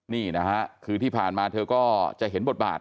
นี่นะฮะคือที่ผ่านมาเธอก็จะเห็นบทบาท